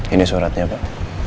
ini suratnya pak